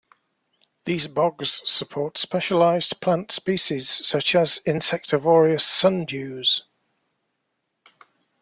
These bogs support specialised plant species such as insectivorous sundews.